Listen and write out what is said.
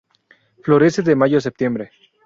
Florece de Mayo a Septiembre.